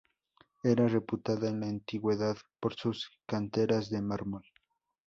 Era reputada en la Antigüedad por sus canteras de mármol.